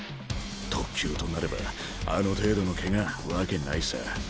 特級となればあの程度のケガ訳ないさ。